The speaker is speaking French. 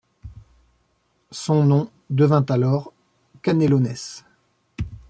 Son nom devint alors Canelones.